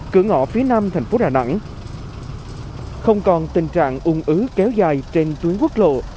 cửa ngõ phía nam thành phố đà nẵng không còn tình trạng ung ứ kéo dài trên tuyến quốc lộ